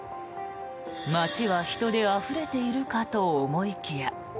街は人であふれているかと思いきや。